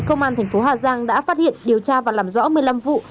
công an thành phố hà giang đã phát hiện điều tra và làm rõ một mươi năm vụ